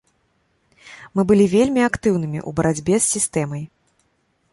Мы былі вельмі актыўнымі ў барацьбе з сістэмай.